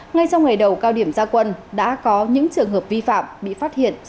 ngay trong ngày đầu cao điểm gia quân đã có những trường hợp vi phạm bị phát hiện